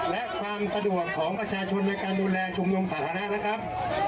และความสะดวกของประชาชนในการดูแลชุมนุมสาธารณะนะครับ